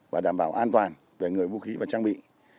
và đảm bảo an toàn về người vũ khí và trang bị